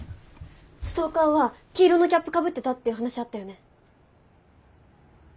ストーカーは黄色のキャップかぶってたって話あったよね？